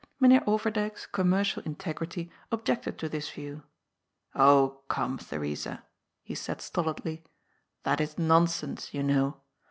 Mynheer Overdyk's commercial integrity objected to this view. *^ Oh come, Theresa,'' he said stolidly, ^' that is nonsense, you know.